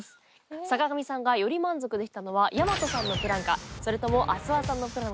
坂上さんがより満足できたのは大和さんのプランかそれとも阿諏訪さんのプランか？